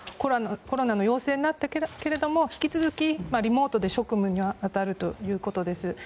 コロナの陽性になったけれども引き続きリモートで職務に当たるということです。